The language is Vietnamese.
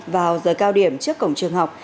vào giờ cao điểm trước cổng trường học